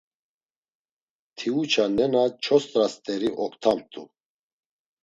Tiuça nena çost̆ra st̆eri oktamt̆u.